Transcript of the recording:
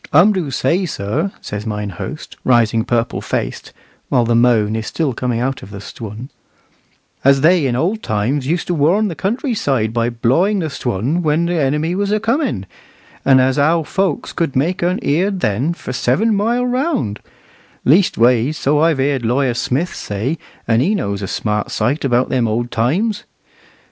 "Um do say, sir," says mine host, rising purple faced, while the moan is still coming out of the Stwun, "as they used in old times to warn the country side by blawing the Stwun when the enemy was a comin', and as how folks could make un heered then for seven mile round; leastways, so I've heered Lawyer Smith say, and he knows a smart sight about them old times."